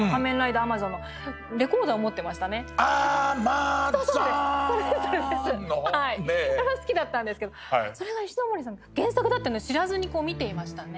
あれは好きだったんですけどそれが石森さんの原作だって知らずに見ていましたね。